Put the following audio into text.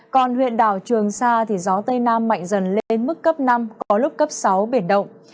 còn huyện đảo trường sa gió tây nam mạnh dần lên mức cấp năm có lúc cấp sáu biển động